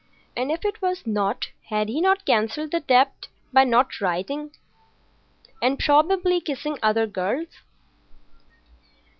and if it was not, had he not cancelled the debt by not writing and—probably kissing other girls?